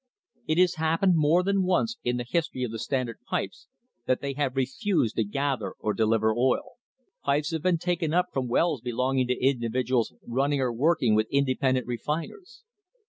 It has happened more than once in the history of the Standard pipes that they have refused to gather or deliver oil. Pipes have been taken up from wells belonging to individuals running or working with independent refiners.